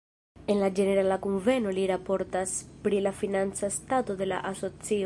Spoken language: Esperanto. En la ĝenerala kunveno li raportas pri la financa stato de la asocio.